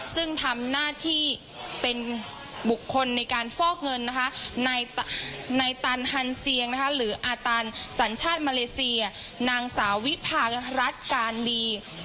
ซึ่งทำหน้าที่เป็นบุคคลในการฟอกเงินในตันฮันเสียงหรืออศาลสัญชาติมาเลเซียนางสาววิภารัฐการดีสัญชาติไทย